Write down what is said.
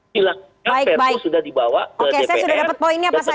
silahkan perfu sudah dibawa ke dpr